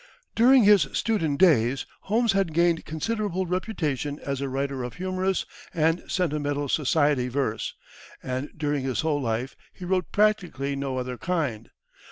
During his student days, Holmes had gained considerable reputation as a writer of humorous and sentimental society verse, and during his whole life he wrote practically no other kind.